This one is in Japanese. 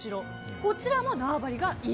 こちらも縄張りがいい？